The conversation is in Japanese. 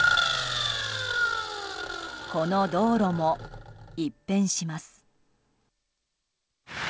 この道路も一変します。